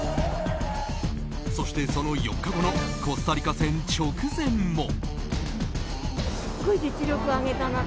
そして、その４日後のコスタリカ戦直前も。